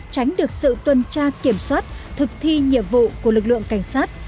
tránh được sự tuần tra kiểm soát thực thi nhiệm vụ của lực lượng cảnh sát